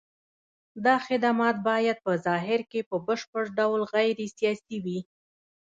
دا خدمات باید په ظاهر کې په بشپړ ډول غیر سیاسي وي.